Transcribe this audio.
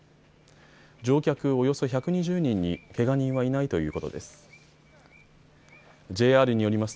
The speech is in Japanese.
乗客およそ１２０人にけが人はいないということです。